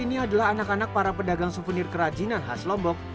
ini adalah anak anak para pedagang souvenir kerajinan khas lombok